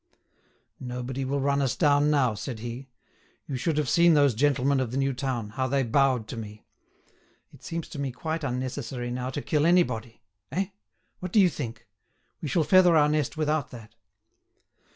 "Nobody will run us down now," said he. "You should have seen those gentlemen of the new town, how they bowed to me! It seems to me quite unnecessary now to kill anybody—eh? What do you think? We shall feather our nest without that."